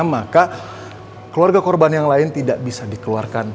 maka keluarga korban yang lain tidak bisa dikeluarkan